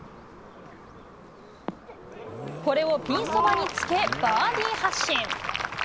これをピンそばにつけバーディー発進。